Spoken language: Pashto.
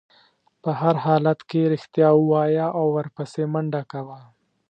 په هر حالت کې رښتیا ووایه او ورپسې منډه کوه.